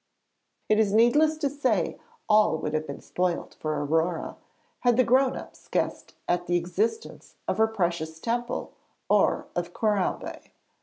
] It is needless to say all would have been spoilt for Aurore had the 'grown ups' guessed at the existence of her precious temple or of Corambé.